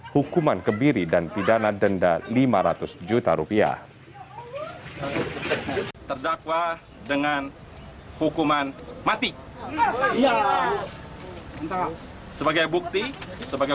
hukuman kebiri dan pidana denda lima ratus juta rupiah terdakwa dengan hukuman mati ya sebagai bukti sebagai